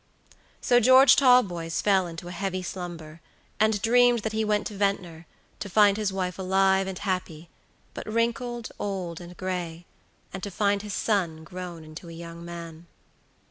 So George Talboys fell into a heavy slumber, and dreamed that he went to Ventnor, to find his wife alive and happy, but wrinkled, old, and gray, and to find his son grown into a young man.